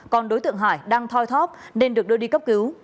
còn đối tượng hải đang thoi thóp nên được đưa đi cấp cứu